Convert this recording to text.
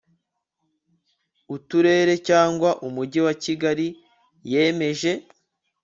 Uturere cyangwa Umujyi wa Kigali yemeje